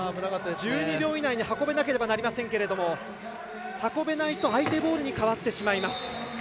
１２秒以内に運ばなければいけませんけど運べないと相手ボールに変わってしまいます。